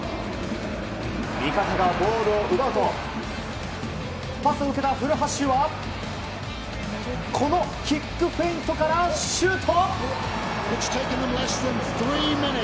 味方がボールを奪うとパスを受けた古橋はキックフェイントからシュート！